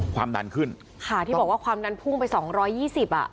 ความดันขึ้นค่ะที่บอกว่าความดันพุ่งไปสองร้อยยี่สิบอ่ะ